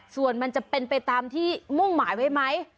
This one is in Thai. ส่วนมันจะเป็นไปตามที่มุ่งหมายไว้ไหม